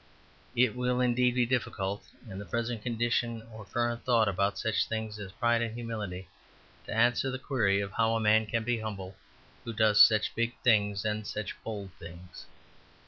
It will indeed be difficult, in the present condition of current thought about such things as pride and humility, to answer the query of how a man can be humble who does such big things and such bold things.